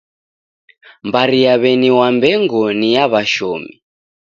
Mbari ya W'eni Wambengo ni ya w'ashomi